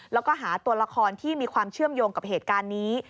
แล้วก็หาตัวละครที่มีความเชื่อมโยงกับเหตุการณ์นี้